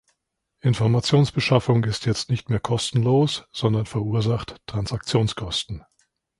Informationsbeschaffung ist jetzt nicht mehr kostenlos, sondern verursacht Transaktionskosten.